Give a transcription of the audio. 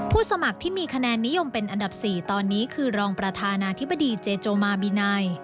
สมัครที่มีคะแนนนิยมเป็นอันดับ๔ตอนนี้คือรองประธานาธิบดีเจโจมาบินัย